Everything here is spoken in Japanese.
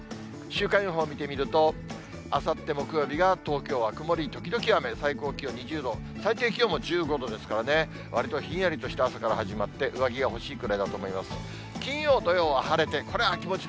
週間予報を見てみると、あさって木曜日が東京は曇り時々雨、最高気温２０度、最低気温も１５度ですからね、わりとひんやりとした朝から始まって、上着が欲しいくらいだと思います。